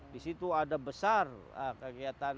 di situ ada besar kegiatan